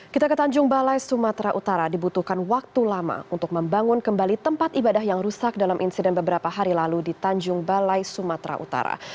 kita ke tanjung balai sumatera utara dibutuhkan waktu lama untuk membangun kembali tempat ibadah yang rusak dalam insiden beberapa hari lalu di tanjung balai sumatera utara